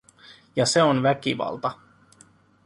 ja se on väkivalta.